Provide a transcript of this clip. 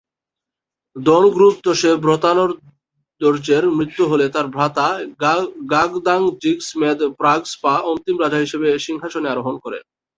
দোন-'গ্রুব-ত্শে-ব্র্তান-র্দো-র্জের মৃত্যু হলে তাঁর ভ্রাতা ঙ্গাগ-দ্বাং-'জিগ্স-মেদ-গ্রাগ্স-পা অন্তিম রাজা হিসেবে সিংহাসনে আরোহণ করেন।